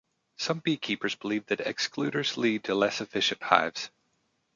Some beekeepers believe that excluders lead to less efficient hives.